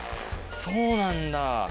そうなんだ。